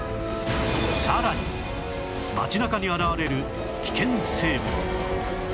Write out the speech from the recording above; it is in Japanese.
さらに街中に現れる危険生物